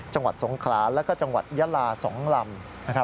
จังหวัดสงขลาแล้วก็จังหวัดยาลา๒ลำ